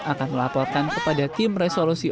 akan melaporkan kepada tim resolusi